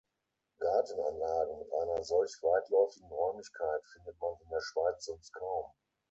Gartenanlagen mit einer solch weitläufigen Räumlichkeit findet man in der Schweiz sonst kaum.